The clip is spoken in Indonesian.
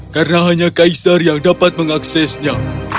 karena hanya kaisar yang dapat mengaksesnya